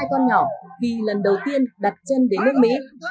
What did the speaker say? hai con nhỏ vì lần đầu tiên đặt chân đến nước mỹ